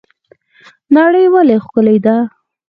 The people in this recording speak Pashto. نړۍ ولې ښکلې ده؟